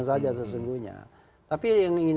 saja sesungguhnya tapi yang ingin